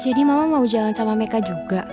jadi mama mau jalan sama meka juga